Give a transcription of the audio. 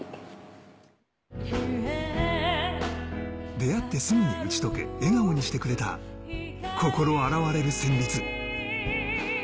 出会ってすぐに打ち解け、笑顔にしてくれた、心洗われる旋律。